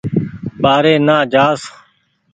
ٻآري نآ جآس